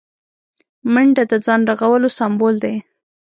منډه د ځان رغولو سمبول دی